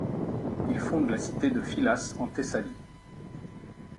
Il fonde la cité de Phylace en Thessalie.